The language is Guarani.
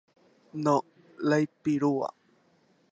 No, la ipirúva.